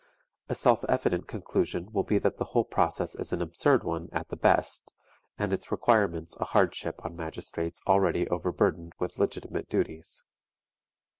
A self evident conclusion will be that the whole process is an absurd one at the best, and its requirements a hardship on magistrates already overburdened with legitimate duties.